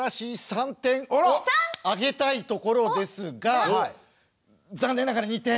３点をあげたいところですが残念ながら２点。